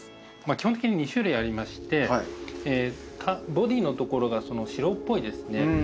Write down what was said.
基本的に２種類ありましてボディーのところが白っぽいですね